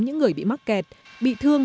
những người bị mắc kẹt bị thương